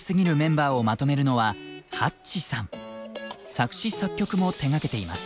作詞・作曲も手がけています。